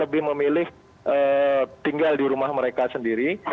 lebih memilih tinggal di rumah mereka sendiri